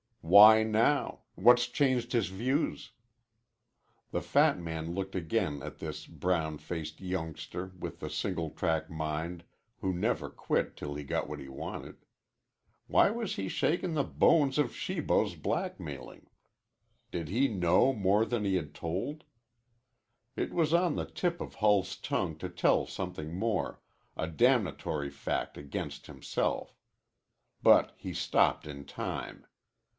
"Why now? What's changed his views?" The fat man looked again at this brown faced youngster with the single track mind who never quit till he got what he wanted. Why was he shaking the bones of Shibo's blackmailing. Did he know more than he had told? It was on the tip of Hull's tongue to tell something more, a damnatory fact against himself. But he stopped in time.